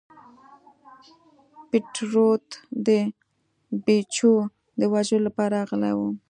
پیټرو د بیپو د وژلو لپاره راغلی و.